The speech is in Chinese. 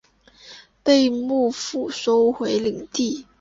被幕府收回领地。